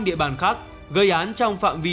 địa bàn khác gây án trong phạm vi